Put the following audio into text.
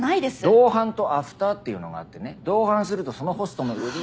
同伴とアフターっていうのがあってね同伴するとそのホストの売り上げに。